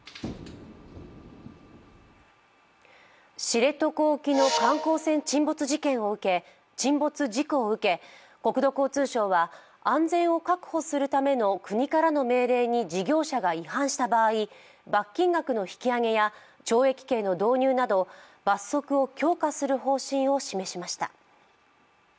知床沖の観光船沈没事故を受け国土交通省は安全を確保するための国からの命令に事業者が違反した場合、罰金額の引き上げや懲役刑の導入など罰則を強化する方針を示しました。